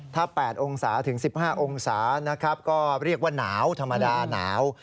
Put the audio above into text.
ถ้า๘องศาถึง๑๕องศานะครับก็เรียกว่าหนาวธรรมดาหนาว